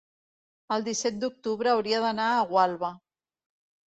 el disset d'octubre hauria d'anar a Gualba.